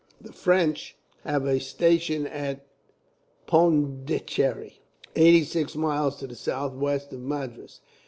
The French have a station at Pondicherry, eighty six miles to the sou'west of Madras.